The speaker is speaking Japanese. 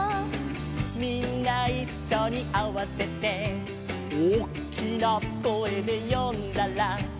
「みんないっしょにあわせて」「おっきな声で呼んだら」